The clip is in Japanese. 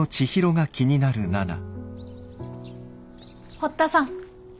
堀田さん